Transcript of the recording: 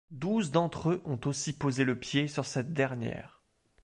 Douze d'entre eux ont aussi posé le pied sur cette dernière.